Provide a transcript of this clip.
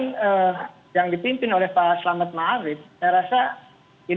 saya melihat pergerakan yang dipimpin oleh pak selamat ma'afit saya rasa ini tadi cak nanto juga sudah mengatakan